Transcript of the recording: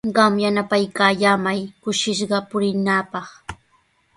Qam yanapaykallamay kushishqa purinaapaq.